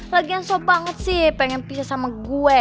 lagi ansop banget sih pengen pisah sama gue